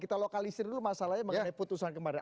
kita lokalisir dulu masalahnya mengenai putusan kemarin